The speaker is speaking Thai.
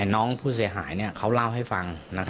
น้องผู้เสียหายเขาเล่าให้ฟัง